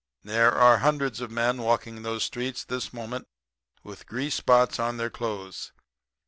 There are hundreds of men walking those streets this moment with grease spots on their clothes.